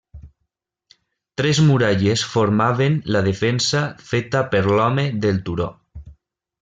Tres muralles formaven la defensa feta per l'home del turó.